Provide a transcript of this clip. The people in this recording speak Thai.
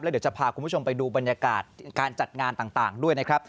เดี๋ยวจะพาคุณผู้ชมไปดูบรรยากาศการจัดงานต่างด้วยนะครับ